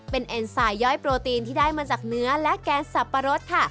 เป็นเอ็นไซด์ย่อยโปรตีนที่ได้มาจากเนื้อและแกงสับปะรดค่ะ